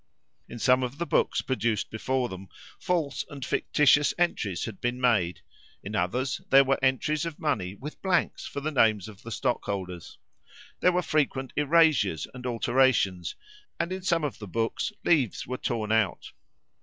In some of the books produced before them, false and fictitious entries had been made; in others, there were entries of money with blanks for the name of the stockholders. There were frequent erasures and alterations, and in some of the books leaves were torn out.